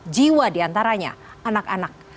jiwa diantaranya anak anak